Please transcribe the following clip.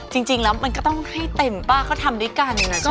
จริงแล้วมันก็ต้องให้เต็มป่ะก็ทำด้วยกันหน่อยใช่ไหม